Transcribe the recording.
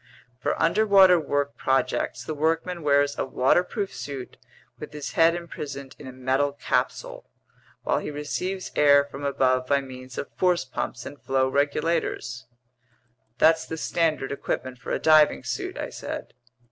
For underwater work projects, the workman wears a waterproof suit with his head imprisoned in a metal capsule, while he receives air from above by means of force pumps and flow regulators." "That's the standard equipment for a diving suit," I said.